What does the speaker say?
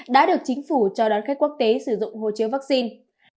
đã được chính phủ cho đón khách quốc tế sử dụng hộ chiếu vaccine